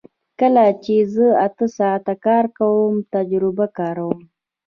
کله چې زه اته ساعته کار کوم تجربه کاروم